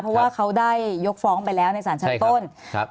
เพราะว่าเขาได้ยกฟ้องไปแล้วในศาลชัดต้น